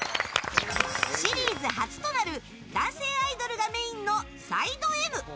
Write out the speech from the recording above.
シリーズ初となる男性アイドルがメインの「ＳｉｄｅＭ」。